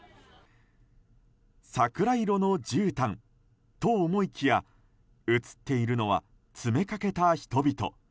桜色のじゅうたんと思いきや映っているのは詰めかけた人々。